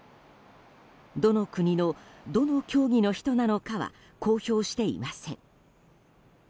どの国の、どの競技の人なのかは公表していません。